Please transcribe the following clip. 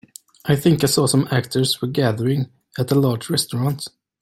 I think I saw some actors were gathering at a large restaurant.